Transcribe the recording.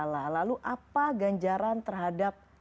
lalu apa ganjaran terhadap